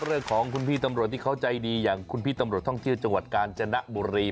เรื่องของคุณพี่ตำรวจที่เขาใจดีอย่างคุณพี่ตำรวจท่องเที่ยวจังหวัดกาญจนบุรี